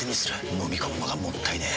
のみ込むのがもったいねえ。